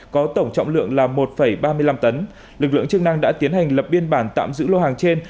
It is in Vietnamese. có tổng trọng lượng là một ba mươi năm tấn lực lượng chức năng đã tiến hành lập biên bản tạm giữ lô hàng trên